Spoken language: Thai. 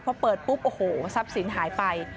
พอเปิดปุ๊บโอ้โหทรัพย์สินหายไป